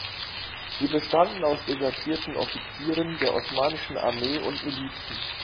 Sie bestanden aus desertierten Offizieren der osmanischen Armee und Milizen.